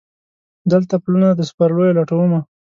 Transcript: دلته پلونه د سپرلیو لټومه